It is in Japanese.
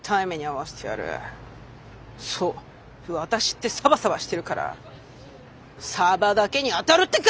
そうワタシってサバサバしてるからサバだけにあたるってか！